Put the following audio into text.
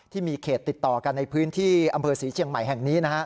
ที่มีเขตติดต่อกันในพื้นที่อำเภอศรีเชียงใหม่แห่งนี้